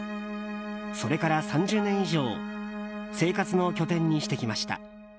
それから３０年以上生活の拠点にしてきました。